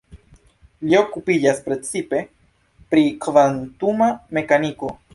Li okupiĝas precipe pri kvantuma mekaniko.